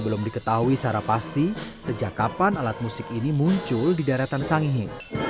belum diketahui secara pasti sejak kapan alat musik ini muncul di daratan sang ini